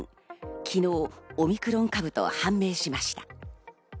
昨日、オミクロン株と判明しました。